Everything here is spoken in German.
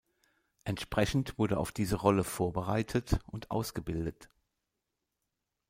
Entsprechend wurde auf diese Rolle vorbereitet und ausgebildet.